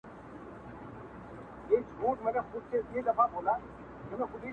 خدای ورکړی په قدرت ښکلی جمال وو -